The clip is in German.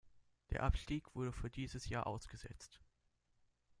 Der Abstieg wurde für dieses Jahr ausgesetzt.